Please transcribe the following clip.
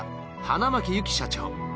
花巻由紀社長